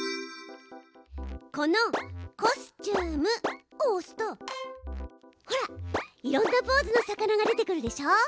この「コスチューム」をおすとほらいろんなポーズの魚が出てくるでしょ。